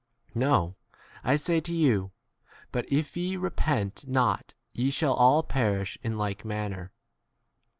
No, I say to you, but if ye repent not ye shall all 6 perish in like manner.